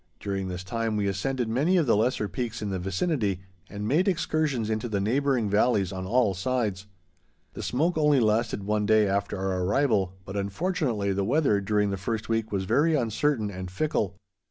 During this time we ascended many of the lesser peaks in the vicinity, and made excursions into the neighboring valleys on all sides. The smoke only lasted one day after our arrival, but, unfortunately, the weather during the first week was very uncertain and fickle.